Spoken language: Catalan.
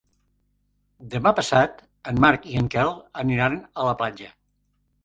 Demà passat en Marc i en Quel aniran a la platja.